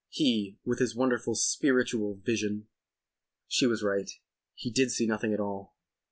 He—with his wonderful "spiritual" vision! She was right. He did see nothing at all.